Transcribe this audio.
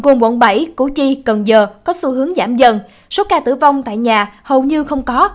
gồm quận bảy củ chi cần giờ có xu hướng giảm dần số ca tử vong tại nhà hầu như không có